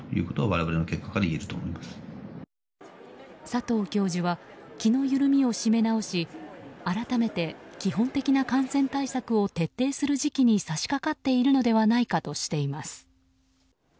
佐藤教授は気の緩みを締め直し改めて、基本的な感染対策を徹底する時期に差し掛かっているのではないかとしています。